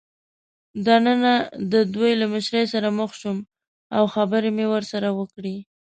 دننه د دوی له مشرې سره مخ شوم او خبرې مې ورسره وکړې.